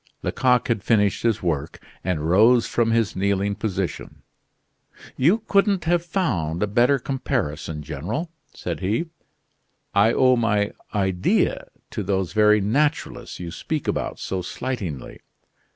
Lecoq had finished his work; and rose from his kneeling position. "You couldn't have found a better comparison, General," said he. "I owe my idea to those very naturalists you speak about so slightingly.